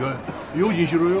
用心しろよ。